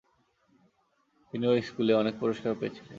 তিনি ঐ স্কুলে অনেক পুরস্কার পেয়েছিলেন।